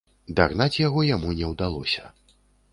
Дагнаць яго яму не ўдалося.